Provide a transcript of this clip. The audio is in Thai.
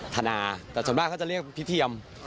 ธนาแต่ส่วนมากเขาจะเรียกพี่เทียม